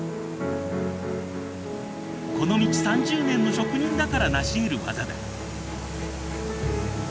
この道３０年の職人だからなしうる業だ。